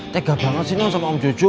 tega banget sih non sama om jojo